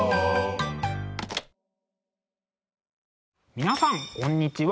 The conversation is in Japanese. ☎皆さんこんにちは。